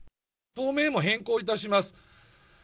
党名も変更いたします。